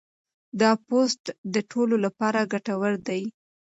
دا پوسټ د ټولو لپاره ګټور دی.